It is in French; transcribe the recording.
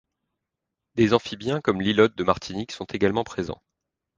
Des amphibiens comme l'Hylode de Martinique sont également présents.